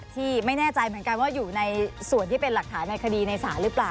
ที่ไม่แน่ใจเหมือนกันว่าอยู่ในส่วนที่เป็นหลักฐานในคดีในศาลหรือเปล่า